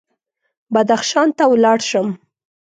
بدخشان ته ولاړ شم.